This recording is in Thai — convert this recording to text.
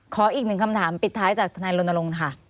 อีกหนึ่งคำถามปิดท้ายจากทนายรณรงค์ค่ะ